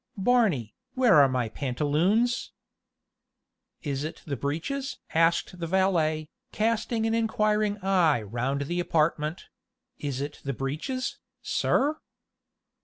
"Barney, where are my pantaloons?" "Is it the breeches?" asked the valet, casting an inquiring eye round the apartment; "is it the breeches, sir?"